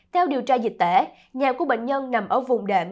theo điều tra dịch tễ nhà của bệnh nhân nằm ở vùng đệm